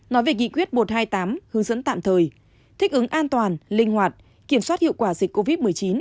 nói về nghị quyết một trăm hai mươi tám hướng dẫn tạm thời thích ứng an toàn linh hoạt kiểm soát hiệu quả dịch covid một mươi chín